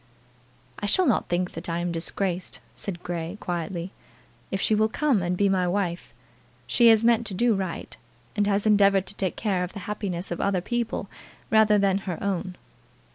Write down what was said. "I shall not think that I am disgraced," said Grey, quietly, "if she will come and be my wife. She has meant to do right, and has endeavoured to take care of the happiness of other people rather than her own."